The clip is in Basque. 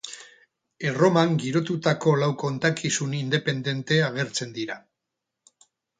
Erroman girotutako lau kontakizun independente agertzen dira.